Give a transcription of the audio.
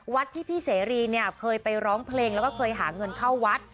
ที่พี่เสรีเนี่ยเคยไปร้องเพลงแล้วก็เคยหาเงินเข้าวัด